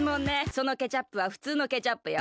そのケチャップはふつうのケチャップよ。